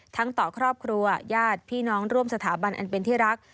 ต่อครอบครัวญาติพี่น้องร่วมสถาบันอันเป็นที่รัก